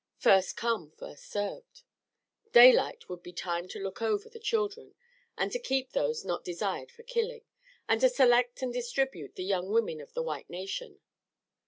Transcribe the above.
First come, first served. Daylight would be time to look over the children and to keep those not desired for killing, and to select and distribute the young women of the white nation.